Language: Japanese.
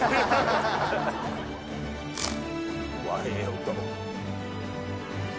うわええ音。